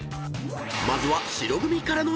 ［まずは］